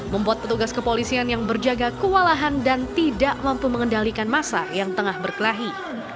membuat petugas kepolisian yang berjaga kewalahan dan tidak mampu mengendalikan masa yang tengah berkelahi